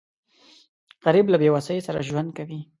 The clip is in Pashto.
غریب له بېوسۍ سره ژوند کوي